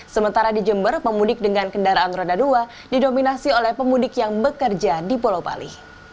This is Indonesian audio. sementara di jember pemudik dengan kendaraan roda dua didominasi oleh pemudik yang bekerja di pulau bali